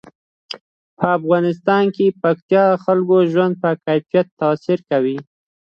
په افغانستان کې پکتیا د خلکو د ژوند په کیفیت تاثیر کوي.